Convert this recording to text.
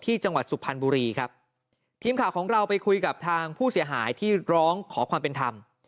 จังหวัดสุพรรณบุรีครับทีมข่าวของเราไปคุยกับทางผู้เสียหายที่ร้องขอความเป็นธรรม